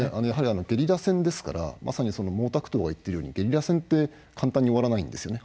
やはりゲリラ戦ですからまさに毛沢東が言っているようにゲリラ戦って簡単に終わらないんです。